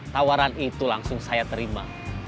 tawaran itu langsung saya terima